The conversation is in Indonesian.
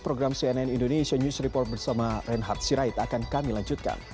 program cnn indonesia news report bersama reinhard sirait akan kami lanjutkan